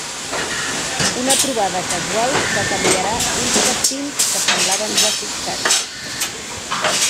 Una trobada casual que canviarà uns destins que semblaven ja fixats.